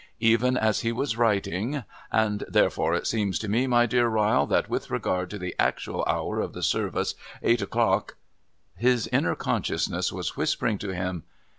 Even as he was writing "And therefore it seems to me, my dear Ryle, that with regard to the actual hour of the service, eight o'clock " his inner consciousness was whispering to him.